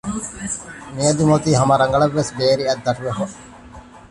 މިއަދު މިއޮތީ ހަމަ ރަނގަޅަށް ވެސް ބޭރި އަތްދަށުވެފަ